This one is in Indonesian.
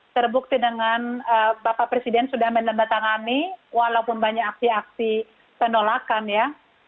terbukti dengan bapak presiden sudah menandatangani walaupun banyak aksi aksi penolakan ya